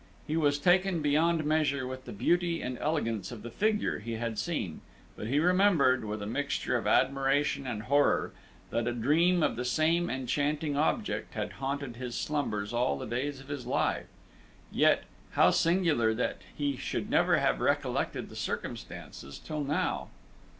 He was taken beyond measure with the beauty and elegance of the figure he had seen, but he remembered, with a mixture of admiration and horror, that a dream of the same enchanting object had haunted his slumbers all the days of his life; yet, how singular that he should never have recollected the circumstance till now!